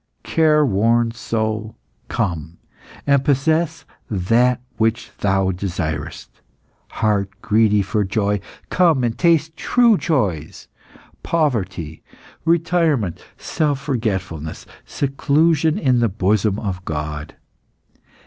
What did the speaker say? Careworn soul, come, and possess that which thou desirest! Heart greedy for joy, come and taste true joys poverty, retirement, self forgetfulness, seclusion in the bosom of God.